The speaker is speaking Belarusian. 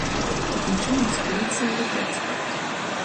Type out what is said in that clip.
Такім чынам, спыніцца і іх экспарт.